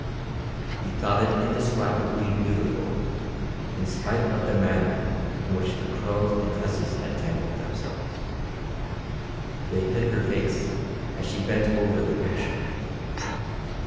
He thought it indescribably beautiful, in spite of the manner in which the curls and tresses had tangled themselves. They hid her face as she bent over the picture.